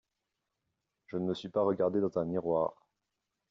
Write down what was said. Je ne me suis pas regardé dans un miroir